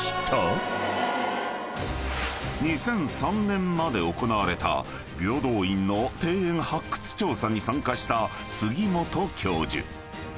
［２００３年まで行われた平等院の庭園発掘調査に参加した杉本教授］